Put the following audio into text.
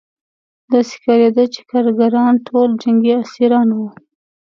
داسې ښکارېده چې کارګران ټول جنګي اسیران وو